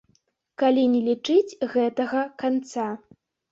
Калі не лічыць гэтага канца.